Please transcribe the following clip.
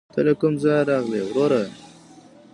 ته له کوم ځايه راغلې ؟ وروره